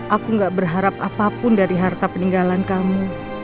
aku gak berharap apapun dari harta peninggalan kamu